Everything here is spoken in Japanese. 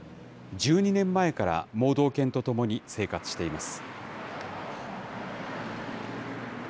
１２年前から盲導犬と共に生活しています。